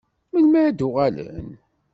Melmi ad d-uɣalen?